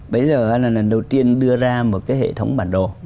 bây giờ là lần đầu tiên đưa ra một cái hệ thống bản đồ